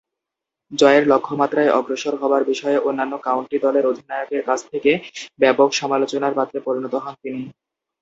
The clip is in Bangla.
জয়ের লক্ষ্যমাত্রায় অগ্রসর হবার বিষয়ে অন্যান্য কাউন্টি দলের অধিনায়কের কাছ থেকে ব্যাপক সমালোচনার পাত্রে পরিণত হন তিনি।